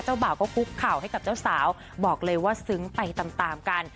บ่าวก็คุกเข่าให้กับเจ้าสาวบอกเลยว่าซึ้งไปตามตามกัน